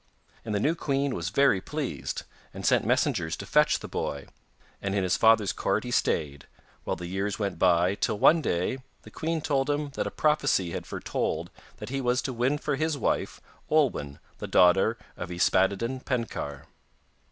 And the new queen was very pleased, and sent messengers to fetch the boy, and in his father's court he stayed, while the years went by till one day the queen told him that a prophecy had foretold that he was to win for his wife Olwen the daughter of Yspaddaden Penkawr.